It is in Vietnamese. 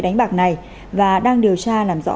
đánh bạc này và đang điều tra làm rõ